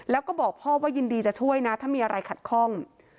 แล้วก็บอกพ่อว่ายินดีจะช่วยนะถ้ามีอะไรขัดข้อง